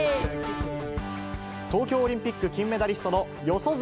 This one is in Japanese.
東京オリンピック金メダリストの四十住